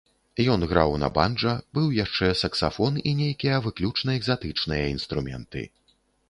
Ён граў на банджа, быў яшчэ саксафон і нейкія выключна экзатычныя інструменты.